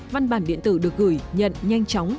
văn bản điện tử được gửi nhận nhanh chóng